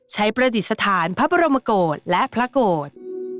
ใช้ประดิษฐานพระบรมกฎและพระโกฎ